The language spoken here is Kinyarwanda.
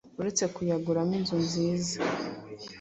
uretse kuyaguramo inzu nziza